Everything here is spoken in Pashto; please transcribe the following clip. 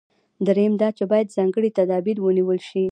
درېیم دا چې باید ځانګړي تدابیر ونیول شي.